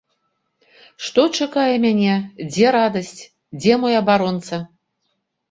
Што чакае мяне, дзе радасць, дзе мой абаронца?